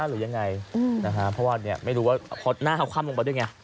หรือยังไงนะฮะเพราะว่าไม่รู้ว่าพอหน้าเขาคว่ำลงไปด้วยไง